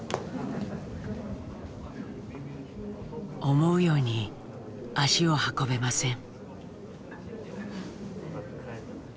思うように足を運べません。